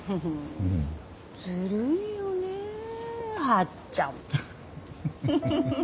ずるいよねえはっちゃん。